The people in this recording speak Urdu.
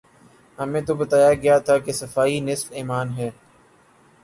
ہمیں تو بتایا گیا تھا کہ صفائی نصف ایمان ہے۔